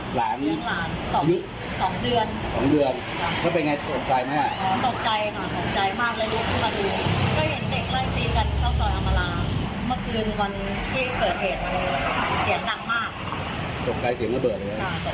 ไปทำงานเลิกงานมาแล้วควรจะโดนลูกหล่ม